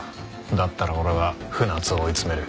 だったら俺は船津を追い詰める。